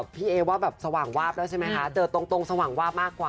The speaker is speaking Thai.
พี่เอว่าแบบสว่างวาบแล้วใช่ไหมคะเจอตรงสว่างวาบมากกว่า